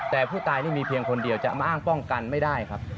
แต่ผู้ตายนี่มีเพียงคนเดียวจะมาอ้างป้องกันไม่ได้ครับ